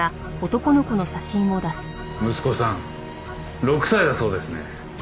息子さん６歳だそうですね。